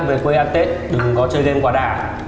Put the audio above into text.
về quê ăn tết đừng có chơi game quả đà